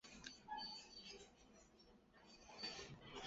丈夫是棒球选手堂林翔太。